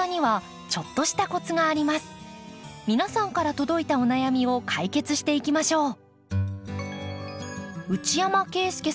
皆さんから届いたお悩みを解決していきましょう。